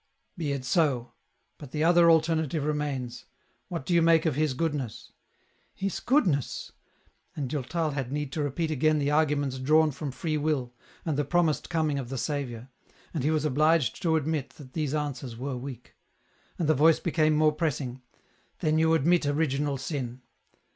" Be it so, but the other alternative remains ; what do you make of His goodness ?"" His goodness ?" And Durtal had need to repeat again the arguments drawn from free will, and the promised coming of the Saviour ; and he was obliged to admit that these answers were weak. And the voice became more pressing, " Then you admit original sin